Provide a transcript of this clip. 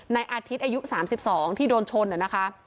ในอาทิตย์อายุ๓๒ที่โดนชนนะคะ